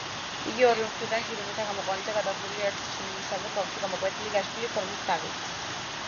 იგი ორივე მხრიდან შირიმითაა გამოყვანილი და გადახურული ერთ, შირიმისავე ქვაში გამოკვეთილი, გაშლილი ფორმის თაღით.